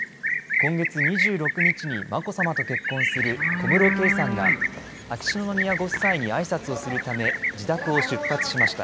今月２６日に眞子さまと結婚する小室圭さんが、秋篠宮ご夫妻にあいさつをするため、自宅を出発しました。